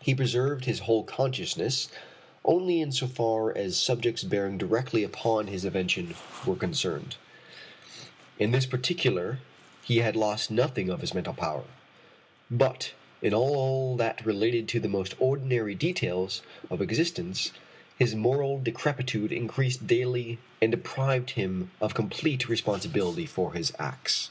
He preserved his whole consciousness only in so far as subjects bearing directly upon his invention were concerned. In this particular he had lost nothing of his mental power. But in all that related to the most ordinary details of existence his moral decrepitude increased daily and deprived him of complete responsibility for his acts.